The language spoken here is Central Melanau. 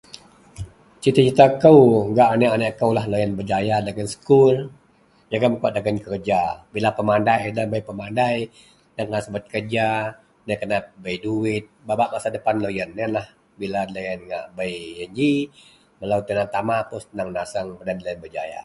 cita-cita kou gak aneak-aneak koulah loyien berjaya dagen skul jegum kawak dagen kerja, bila pemandai debei pemandai dakena subert kerja, dakena bei duwit bak bak masa depan loyien ienlah bila deloyien ngak bei ien ji, melou tina tama pun senang seneng peden deloyien berjaya